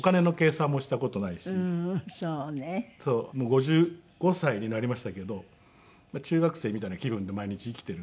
５５歳になりましたけど中学生みたいな気分で毎日生きているんで。